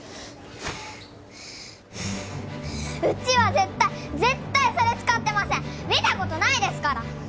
うちは絶対絶対それ使ってません見たことないですから！